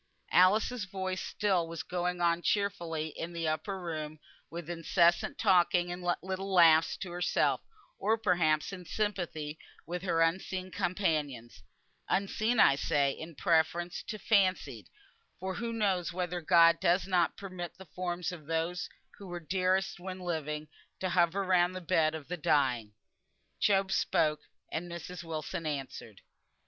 Alice's voice still was going on cheerfully in the upper room with incessant talking and little laughs to herself, or perhaps in sympathy with her unseen companions; "unseen," I say, in preference to "fancied," for who knows whether God does not permit the forms of those who were dearest when living, to hover round the bed of the dying? Job spoke, and Mrs. Wilson answered.